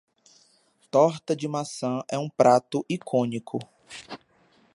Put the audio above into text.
Torta de maçã é um prato icônico.